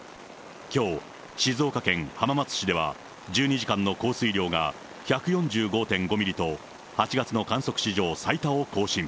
きょう、静岡県浜松市では、１２時間の降水量が１４５．５ミリと、８月の観測史上最多を更新。